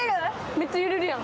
めっちゃ揺れるやん。